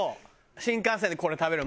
新幹線でこれ食べる。